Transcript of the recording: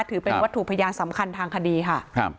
ถือเป็นวัตถุพยานสำคัญทางคดีค่ะ